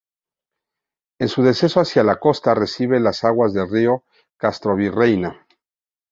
En su descenso hacia la costa, recibe las aguas del río Castrovirreyna.